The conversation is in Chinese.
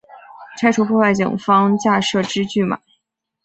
拆除破坏警方架设之拒马